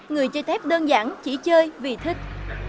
người chơi tép đơn giản chỉ chơi vì thích